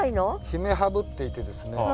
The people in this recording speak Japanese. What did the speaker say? ヒメハブっていってですね